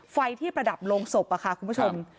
ไฟที่ประดับลงศพค่ะคุณผู้ชม